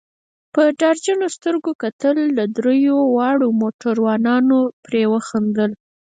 په ډار جنو سترګو کتل، دریو واړو موټروانانو پرې وخندل.